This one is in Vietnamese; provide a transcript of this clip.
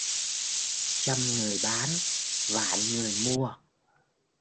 Trăm người bán vạn người mua.